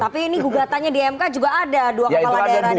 tapi ini gugatanya di mk juga ada dua kepala daerah dari gerindra